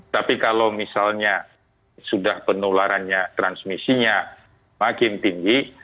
tapi kalau misalnya sudah penularannya transmisinya makin tinggi